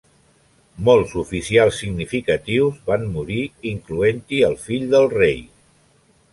Molts oficials significatius van morir incloent-hi el fill del rei.